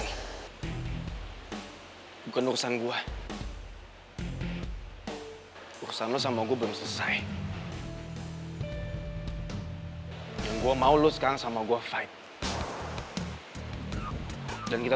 itu si boy itu